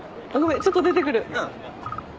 ちょっと出てくる。